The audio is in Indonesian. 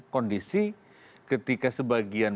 kondisi ketika sebagian